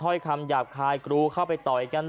คำหยาบคายกรูเข้าไปต่อยกัน